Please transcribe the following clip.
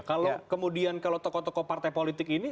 kalau kemudian kalau tokoh tokoh partai politik ini